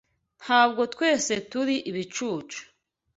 Ntabwo twese turi ibicucu